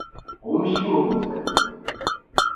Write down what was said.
ომში მოგიწვევთ